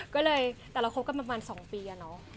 ก็เลยแต่เราคบกันประมาณ๒ปีอะเนาะ